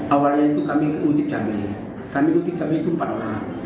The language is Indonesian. awalnya itu kami mengutip cabai kami mengutip cabai itu empat orang